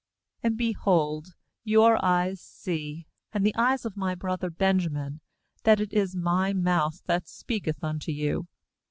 12And, behold, your eyes see, and the eyes of my brother Benjamin, that it is my mouth that speaketh unto you.